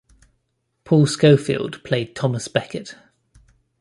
Paul Scofield played Thomas Becket.